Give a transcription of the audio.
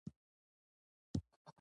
د هغوی جېبونه تل تش وي